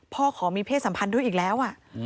ขอมีเพศสัมพันธ์ด้วยอีกแล้ว